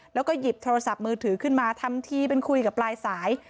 แล้วก็หยิบโทรศัพท์มือถือขึ้นมาทำทีเป็นคุยกับปลายสาย